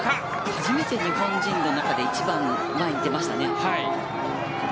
初めて日本人の中で一番前に出ました。